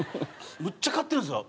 むっちゃ買ってるんですよ